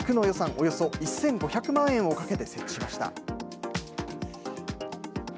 およそ１５００万円をかけて設置しました。